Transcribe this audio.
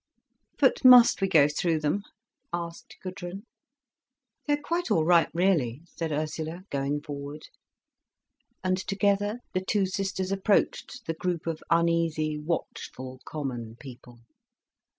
"But must we go through them?" asked Gudrun. "They're quite all right, really," said Ursula, going forward. And together the two sisters approached the group of uneasy, watchful common people.